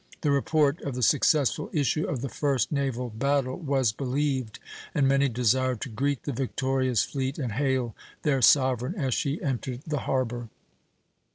The report of the successful issue of the first naval battle was believed, and many desired to greet the victorious fleet and hail their sovereign as she entered the harbour.